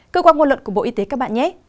cơ quan ngôn luận của bộ y tế các bạn nhé